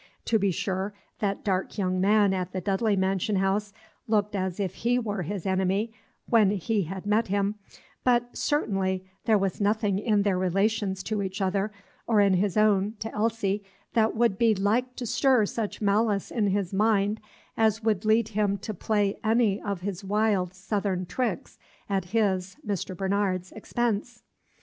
To be sure, that dark young man at the Dudley mansion house looked as if he were his enemy, when he had met him; but certainly there was nothing in their relations to each other, or in his own to Elsie, that would be like to stir such malice in his mind as would lead him to play any of his wild Southern tricks at his, Mr. Bernard's, expense.